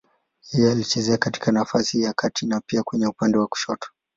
Yeye alicheza katika nafasi ya kati na pia kwenye upande wa kushoto.